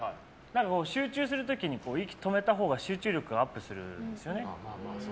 集中する時に息止めたほうが集中力がアップするんですよね。